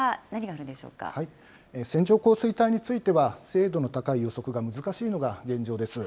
線状降水帯については精度の高い予測が難しいのが現状です。